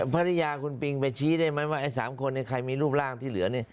ภรรยาคุณปิงไปชี้ได้ไหมว่าไอ้๓คนใครมีรูปร่างที่เหลือนี่